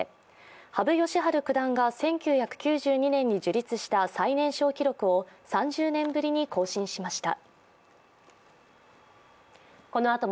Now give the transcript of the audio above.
羽生善治九段が１９９２年に樹立した最年少記録を３０年ぶりに更新しました。